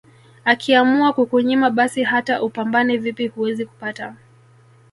Akiamua kukunyima basi hata upambane vipi huwezi kupata